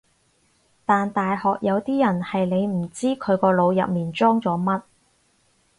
但大學有啲人係你唔知佢個腦入面裝咗乜